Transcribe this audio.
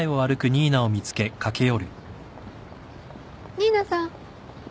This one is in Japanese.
新名さん。